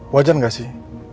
wajan gak sih